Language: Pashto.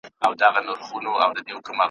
زاهده زړه مي له نفرته صبرولای نه سم `